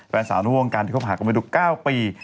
แฟนสาวในวงการที่เขาผ่านก็ไม่ดู๙ปี